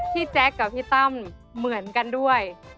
แจ๊คกับพี่ตั้มเหมือนกันด้วย